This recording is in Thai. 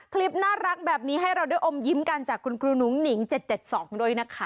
คลิปน่ารักแบบนี้ให้เราได้อมยิ้มกันจากคุณครูหนุ้งหนิง๗๗๒ด้วยนะคะ